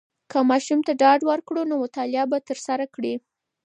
که ماشوم ته ډاډ ورکړو، نو مطالعه به تر لاسه کړي.